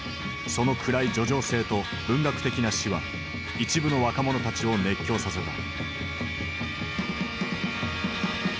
その暗い叙情性と文学的な詞は一部の若者たちを熱狂させた。